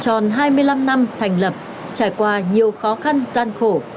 tròn hai mươi năm năm thành lập trải qua nhiều khó khăn gian khổ